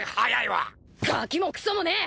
ガキもクソもねえ。